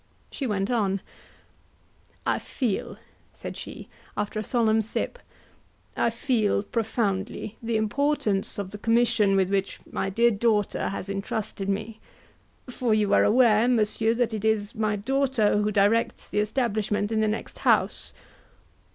She went on: "I feel," said she, after a solemn sip "I feel profoundly the importance of the commission with which my dear daughter has entrusted me, for you are aware, Monsieur, that it is my daughter who directs the establishment in the next house?"